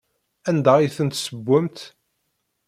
Anda ay tent-tessewwemt?